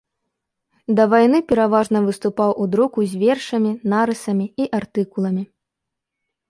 Да вайны пераважна выступаў у друку з вершамі, нарысамі і артыкуламі.